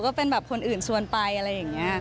เป็นแบบคนอื่นชวนไปอะไรอย่างนี้